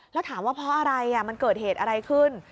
แล้วถามว่าเพราะอะไรมันเกิดเหตุอะไรขึ้น